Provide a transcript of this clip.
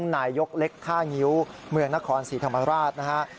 นายยกเล็กท่างิ้วเมืองนครศรีธรรมราชนะฮะ